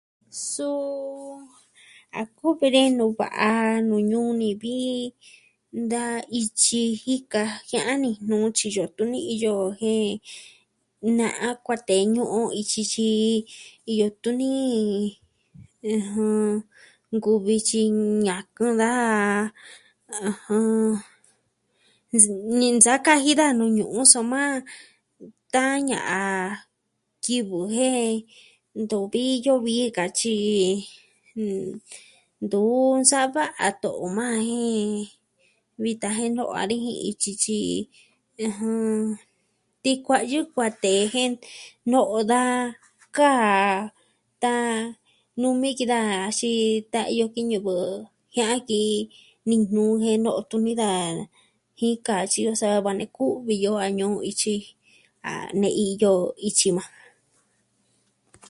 Suu a kuvi ni nuvi va'a nuu ñuu ni vi, da ityi jika jia'a Niji Nuu tyiyo tuni iyo jen... na'a kuatee ñu'un on ityi tyi iyo tuni ɨjɨn, nkuvi tyi ñakɨn daja... nsa'a kaji daja nuu ñu'un soma tan ña'a kivɨ jen ntuvi iyo vii ka ityi i... ntu sa'a va'a to'o majan jen vitan jen no'o dani jin jin ityi tyi... ɨjɨn... tikua'yɨ kuatee jen no'o da kaa, sa numii ki da axin sa iyo ki ñɨvɨ. Jia'an ki Nijnuu jen no'o tuni daja. Jika tyiyo sava nee kuvi u'vi yo a ñu'un ityi a ne'i iyo ityi yukuan.